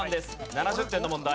７０点の問題。